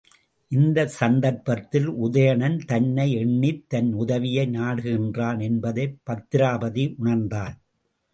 இந்தச் சந்தர்ப்பத்தில், உதயணன் தன்னை எண்ணித் தன் உதவியை நாடுகின்றான் என்பதைப் பத்திராபதி உணர்ந்தாள்.